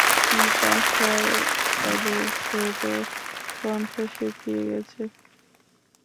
পিপাসায় তাদের ঠোট ও কণ্ঠ শুকিয়ে গেছে।